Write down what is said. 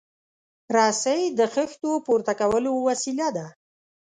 رسۍ د خښتو پورته کولو وسیله ده.